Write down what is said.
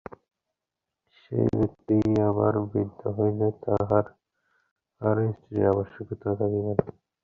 সেই ব্যক্তিই আবার বৃদ্ধ হইলে তাহার আর স্ত্রীর আবশ্যকতা থাকিবে না।